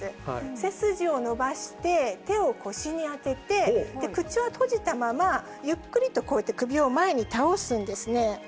背筋を伸ばして手を腰に当てて、口を閉じたままゆっくりとこうやって首を前に倒すんですね。